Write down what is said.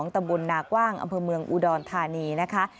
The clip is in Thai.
ตำบลนากว้างอำเภอเมืองอุดรธานีนะคะ